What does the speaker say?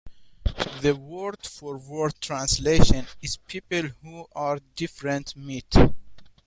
The word-for-word translation is people who.are different meet.